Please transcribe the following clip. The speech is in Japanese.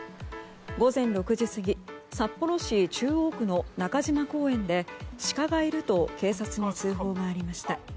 午前６時過ぎ札幌市中央区の中島公園でシカがいると警察に通報がありました。